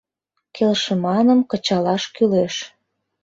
Келшыманым кычалаш кӱлеш.